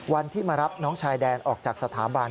วันที่มารับน้องชายแดนออกจากสถาบัน